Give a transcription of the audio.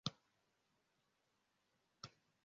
Abashakanye benshi bicara hanze kuri parike kumanywa